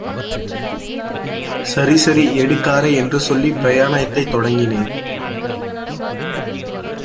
சரிசரி எடுகாரை என்று சொல்லி பிரயாணத்தைத் தொடங்கினேன்.